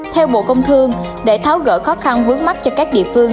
theo bộ công thương để tháo gỡ khó khăn vướng mắt cho các địa phương